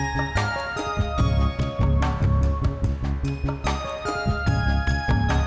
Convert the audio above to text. sampai jumpa di video selanjutnya